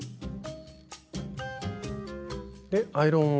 でアイロンを。